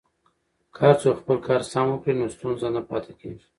که هر څوک خپل کار سم وکړي نو ستونزه نه پاتې کیږي.